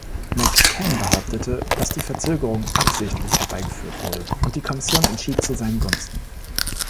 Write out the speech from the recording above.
McCann behauptete, dass die Verzögerung absichtlich herbeigeführt wurde und die Kommission entschied zu seinen Gunsten.